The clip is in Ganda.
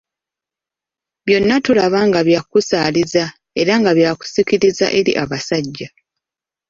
Byonna tulaba nga byakusaaliza era byakusikiriza eri abasajja.